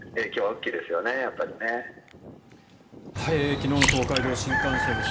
昨日の東海道新幹線です。